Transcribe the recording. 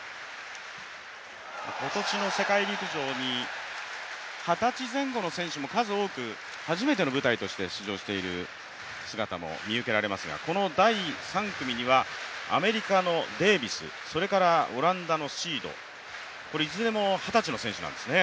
今年の世界陸上に二十歳前後の選手も数多く初めての世界陸上として出場している姿も見られますがこの第３組にはアメリカのデービスそれからオランダのシード、いずれも二十歳の選手なんですね